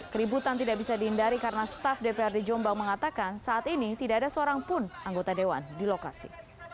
keributan tidak bisa dihindari karena staf dprd jombang mengatakan saat ini tidak ada seorang pun anggota dewan di lokasi